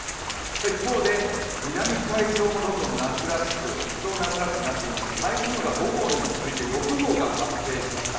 一方で南海上もどんどん一層夏らしくなっていまして台風が５号に続いて６号が発生しました。